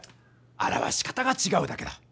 表し方がちがうだけだ！